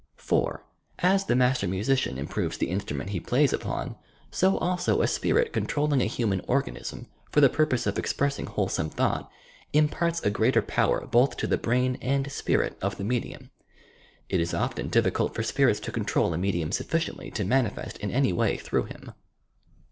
TOUR PSYCHIC POWERS (4) As the master musician improves the inHtmraent he plays upon, so also a spirit controlling a human organism for the purpose of expressing wholesome thought, imparts a greater power both to the brain and spirit of the medium. It is often difficult for spirits to control a medium sufficiently to manifest in any way through him.